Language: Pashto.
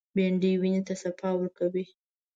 بېنډۍ وینې ته صفا ورکوي